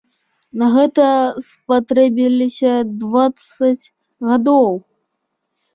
На гэта спатрэбілася дваццаць гадоў!